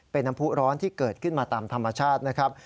เป็นน้ำผู้ร้อนที่เกิดขึ้นมาตามธรรมชาตินะครับ